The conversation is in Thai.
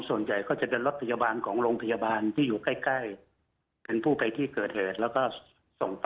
ส่วนใหญ่ก็จะเป็นรถพยาบาลของโรงพยาบาลที่อยู่ใกล้ใกล้เป็นผู้ไปที่เกิดเหตุแล้วก็ส่งต่อ